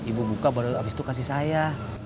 ibu buka baru abis itu kasih saya